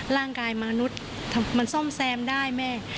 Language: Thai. ร่างกายมนุษย์มันซ่อมแซมได้แม่